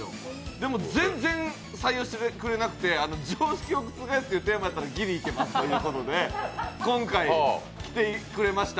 でも全然採用してくれなくて常識を覆すってテーマだったらギリいけますということで今回来てくれました。